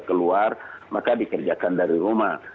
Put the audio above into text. keluar maka dikerjakan dari rumah